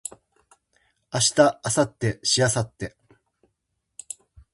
明日明後日しあさって